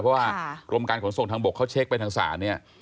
เพราะว่ากรมการขนส่งทางบกเขาเช็คไปทางศาลเนี่ย